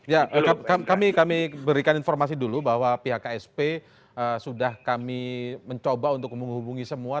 ya kami berikan informasi dulu bahwa pihak ksp sudah kami mencoba untuk menghubungi semua